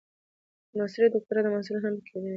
د ماسټرۍ او دوکتورا محصلین هم پکې لیکني کوي.